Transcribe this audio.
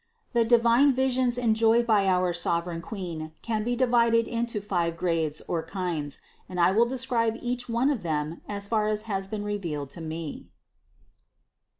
The divine visions enjoyed by our 482 CITY OF GOD sovereign Queen can be divided into five grades or kinds, and I will describe each one of them, as far as has been revealed to me.